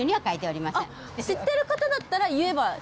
知ってる方だったら言えば。